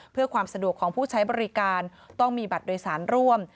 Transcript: เพื่อความสะดวกของผู้ใช้บริการต้องมีบัตรโดยสารร่วม